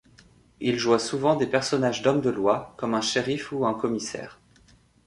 Il joua souvent des personnages d'hommes de loi, comme un shérif ou un commissaire.